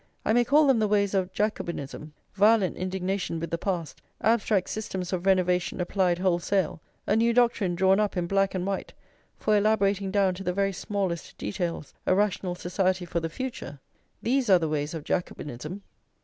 I may call them the ways of Jacobinism. Violent indignation with the past, abstract systems of renovation applied wholesale, a new doctrine drawn up in black and white for elaborating down to the very smallest details a rational society for the future, these are the ways of Jacobinism.